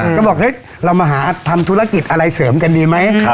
ก็บอกเฮ้ยเรามาหาทำธุรกิจอะไรเสริมกันดีไหม